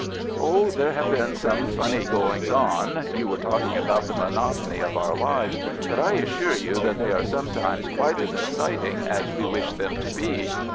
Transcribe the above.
"Oh, there have been some funny goings on. You were talking about the monotony of our lives, but I assure you that they are sometimes quite as exciting as we wish them to be.